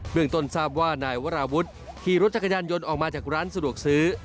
เมืองต้นทราบว่านายวราวุฒิขี่รถจักรยานยนต์ออกมาจากร้านสะดวกซื้อ